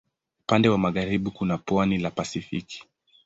Upande wa magharibi kuna pwani la Pasifiki.